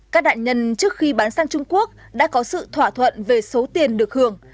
các đại nhân trước khi bán sang trung quốc đã có sự thỏa thuận về số tiền được hưởng